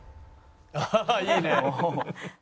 「あっいいね」